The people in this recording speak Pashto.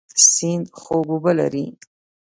سیند خوږ اوبه لري.